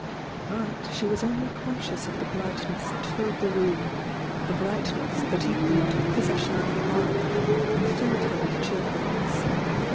But she was only conscious of the brightness that filled the room— a brightness that equally took possession of her mind and filled her with cheerfulness.